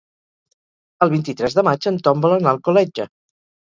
El vint-i-tres de maig en Tom vol anar a Alcoletge.